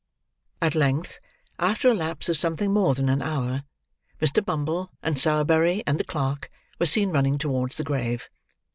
At length, after a lapse of something more than an hour, Mr. Bumble, and Sowerberry, and the clerk, were seen running towards the grave.